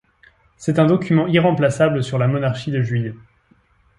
C'est un document irremplaçable sur la monarchie de Juillet.